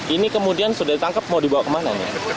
ini kemudian sudah ditangkap mau dibawa kemana